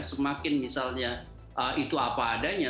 semakin misalnya itu apa adanya